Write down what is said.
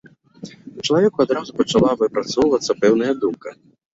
У чалавека адразу пачала выпрацоўвацца пэўная думка.